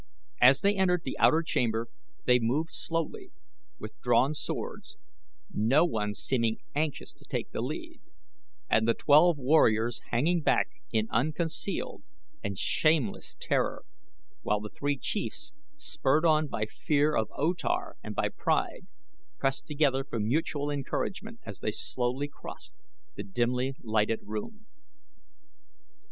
As they entered the outer chamber they moved slowly, with drawn swords, no one seeming anxious to take the lead, and the twelve warriors hanging back in unconcealed and shameless terror, while the three chiefs, spurred on by fear of O Tar and by pride, pressed together for mutual encouragement as they slowly crossed the dimly lighted room.